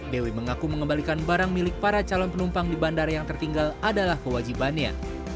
dewi mengaku mengembalikan barang milik para calon penumpang di bandara yang tertinggal adalah kewajibannya